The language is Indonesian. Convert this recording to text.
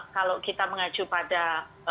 kalau kita mengacu pada